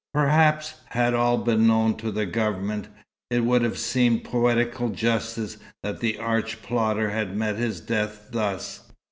Perhaps, had all been known to the Government, it would have seemed poetical justice that the arch plotter had met his death thus.